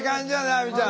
亜美ちゃん。